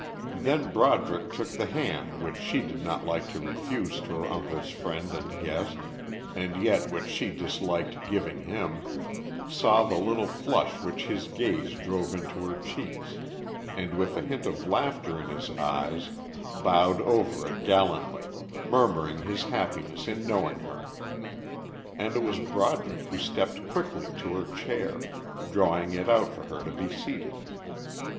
Then Broderick took the hand which she did not like to refuse to her uncle's friend and guest and yet which she disliked giving him, saw the little flush which his gaze drove into her cheeks, and with a hint of laughter in his eyes bowed over it gallantly, murmuring his happiness in knowing her. And it was Broderick who stepped quickly to her chair, drawing it out for her to be seated.